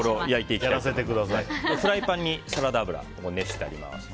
フライパンにサラダ油を熱してあります。